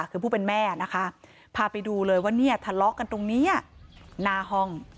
คือผู้เป็นแม่นะคะพาไปดูเลยว่าเนี่ยทะเลาะกันตรงนี้หน้าห้อง